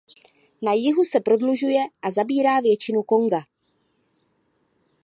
Na jihu se prodlužuje a zabírá většinu Konga.